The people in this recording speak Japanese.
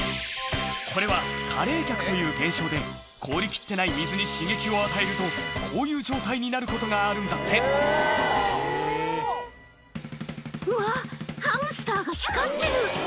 これは過冷却という現象で凍りきってない水に刺激を与えるとこういう状態になることがあるんだってうわハムスターが光ってる！